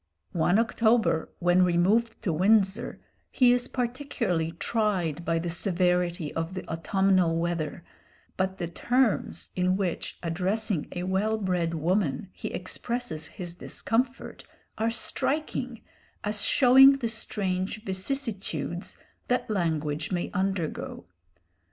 One October, when removed to Windsor, he is particularly tried by the severity of the autumnal weather, but the terms in which, addressing a well bred woman, he expresses his discomfort are striking, as showing the strange vicissitudes that language may undergo.